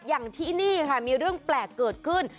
อย่างที่นี่ค่ะมีเรื่องแปลกเกิดขึ้น